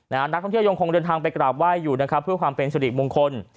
นักท่องเที่ยวโยงคงเดินทางเป็นกราบไหว้อยู่เพื่อความเป็นเสด็จมงคล